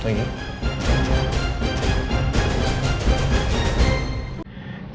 semoga berhasil ya